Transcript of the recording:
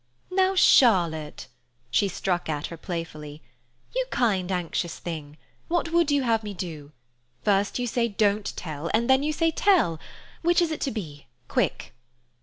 "Now, Charlotte!" She struck at her playfully. "You kind, anxious thing. What would you have me do? First you say 'Don't tell'; and then you say, 'Tell'. Which is it to be? Quick!"